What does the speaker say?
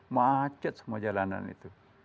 macet semua jalanan itu